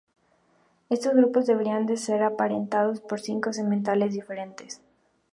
Estos grupos debían ser apareados por cinco sementales diferentes.